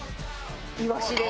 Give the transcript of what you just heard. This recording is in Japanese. イワシです。